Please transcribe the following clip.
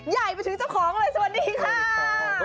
ใหญ่ไปถึงเจ้าของเลยสวัสดีค่ะ